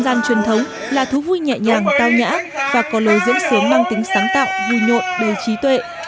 gian truyền thống là thú vui nhẹ nhàng tao nhã và có lối diễn sướng mang tính sáng tạo vui nhộn đầy trí tuệ